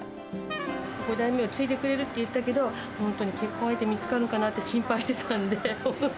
５代目を継いでくれるって言ったけど、本当に結婚相手見つかるかなって心配してたんで。